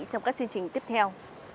trong các chương trình tiếp theo